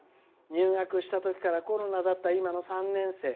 入学した時からコロナだった今の３年生。